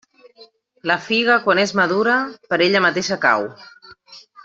La figa, quan és madura, per ella mateixa cau.